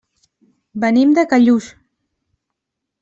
Venim de Callús.